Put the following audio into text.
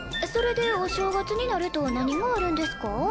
それでお正月になると何があるんですか？